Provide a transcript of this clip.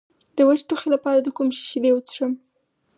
د وچ ټوخي لپاره د کوم شي شیدې وڅښم؟